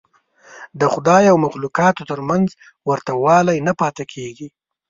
د خدای او مخلوقاتو تر منځ ورته والی نه پاتې کېږي.